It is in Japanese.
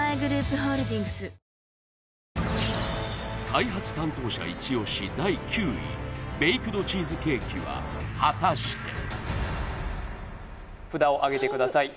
開発担当者イチ押し第９位ベイクドチーズケーキは果たして札をあげてください